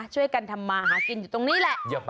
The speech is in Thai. ช่วยกันทำมาหากินอยู่ตรงนี้แหละ